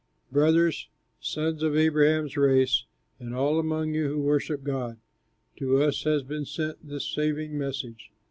"Brothers, sons of Abraham's race, and all among you who worship God, to us has been sent this saving message.